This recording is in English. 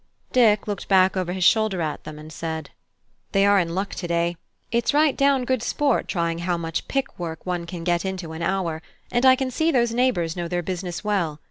Dick looked back over his shoulder at them and said: "They are in luck to day: it's right down good sport trying how much pick work one can get into an hour; and I can see those neighbours know their business well.